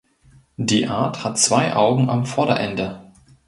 Die Art hat zwei Augen am Vorderende.